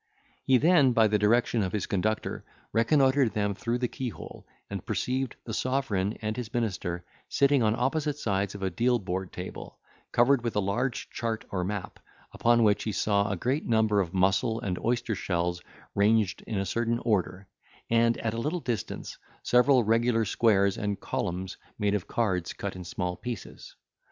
He then, by the direction of his conductor, reconnoitred them through the keyhole, and perceived the sovereign and his minister sitting on opposite sides of a deal board table, covered with a large chart or map, upon which he saw a great number of mussel and oyster shells ranged in a certain order, and, at a little distance, several regular squares and columns made of cards cut in small pieces.